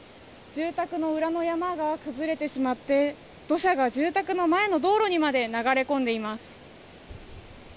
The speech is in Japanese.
住宅の裏の山が崩れてしまって土砂が住宅の前の道路にまで流れ込んでいます。